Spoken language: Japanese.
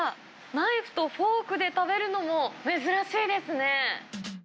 ナイフとフォークで食べるのも珍しいですね。